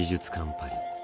パリ